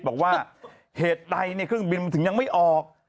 บอกว่าเหตุใดในเครื่องบินมันถึงยังไม่ออก